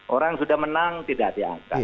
orang sudah menang tidak diangkat